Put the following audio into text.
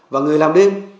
và người làm đêm